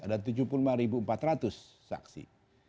ada tujuh puluh lima empat ratus saksi